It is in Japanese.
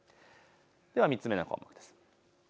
３つ目の項目です。